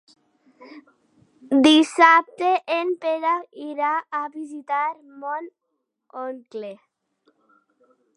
Dissabte en Pere irà a visitar mon oncle.